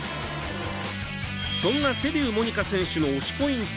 そんな、瀬立モニカ選手の推しポイント。